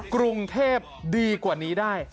กรุงเทพดีกว่านี้ได้